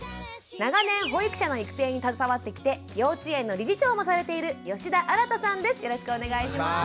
長年保育者の育成に携わってきて幼稚園の理事長もされているよろしくお願いします。